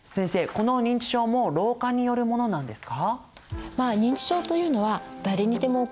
この認知症も老化によるものなんですか？